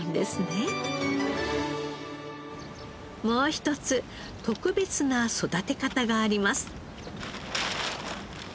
もう一つ特別な育て方があります。